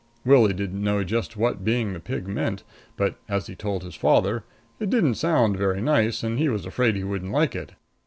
Willie didn't know just what being the pig meant, but, as he told his father, it didn't sound very nice and he was afraid he wouldn't like it.